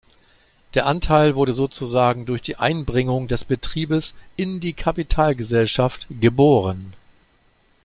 Der Anteil wurde sozusagen durch die Einbringung des Betriebes in die Kapitalgesellschaft „geboren“.